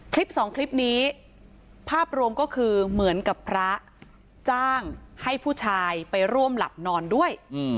สองคลิปนี้ภาพรวมก็คือเหมือนกับพระจ้างให้ผู้ชายไปร่วมหลับนอนด้วย